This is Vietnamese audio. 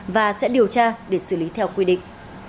và sẽ điều tra để xử lý theo quy định